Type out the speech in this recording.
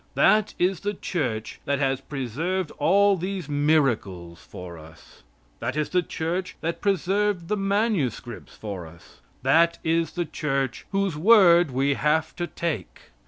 That is the Church that has preserved all these miracles for us. That is the Church that preserved the manuscripts for us. That is the Church whose word we have to take.